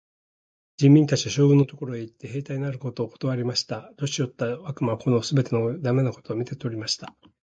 人民たちは、将軍のところへ行って、兵隊になることをことわりました。年よった悪魔はこの企ての駄目なことを見て取りました。